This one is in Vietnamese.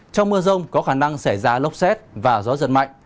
trong mưa rông có khả năng xảy ra lốc xét và gió giật mạnh